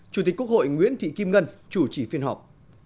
chủ tịch quốc hội nguyễn thị kim ngân chủ trì phiên họp